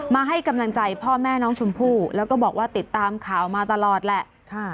มาให้กำลังใจพ่อแม่น้องชมพู่แล้วก็บอกว่าติดตามข่าวมาตลอดแหละ